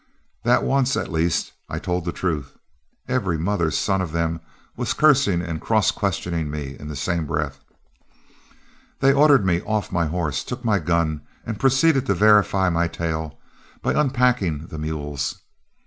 That once, at least, I told the truth. Every mother's son of them was cursing and cross questioning me in the same breath. They ordered me off my horse, took my gun, and proceeded to verify my tale by unpacking the mules.